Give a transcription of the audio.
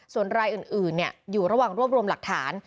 ส่วนรายอื่นอยู่ระหว่างรวบรวมหลักฐาน